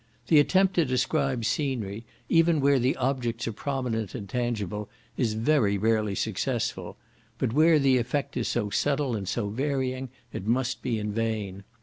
The attempt to describe scenery, even where the objects are prominent and tangible, is very rarely successful; but where the effect is so subtile and so varying, it must be vain.